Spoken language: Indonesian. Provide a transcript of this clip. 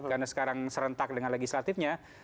karena sekarang serentak dengan legislatifnya